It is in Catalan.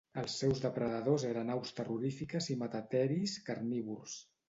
Els seus depredadors eren aus terrorífiques i metateris carnívors.